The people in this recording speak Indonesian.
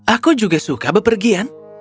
aku juga suka berpergian